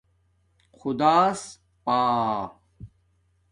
خداس پآ